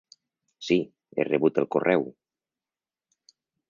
Sí, he rebut el correu!